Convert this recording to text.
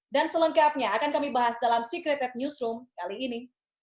dan selengkapnya akan kami bahas dalam secreted newsroom kali ini